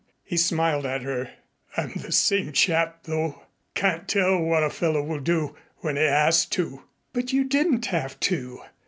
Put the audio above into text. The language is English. He smiled at her. "I'm the same chap, though. Can't tell what a fellow will do when he has to." "But you didn't have to.